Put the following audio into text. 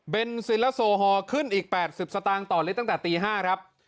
เป็นซินและโซฮอลขึ้นอีก๘๐สตางค์ต่อลิตรตั้งแต่ตี๕ครับ